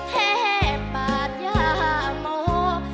แทบบาดยามโหม